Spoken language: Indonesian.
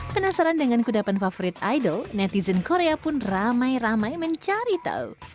penasaran dengan kudapan favorit idol netizen korea pun ramai ramai mencari tahu